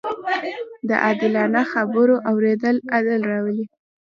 د عادلانه خبرو اورېدل عدل راولي